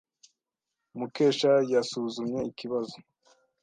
Mukesha yasuzumye ikibazo.